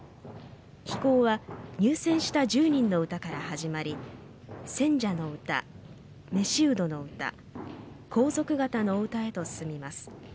披講は入選した１０人の歌から始まり選者の歌、召人の歌皇族方のお歌へと進みます。